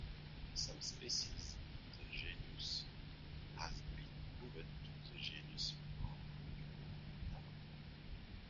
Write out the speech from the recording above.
Some species in the genus have been moved to the genus Magallana.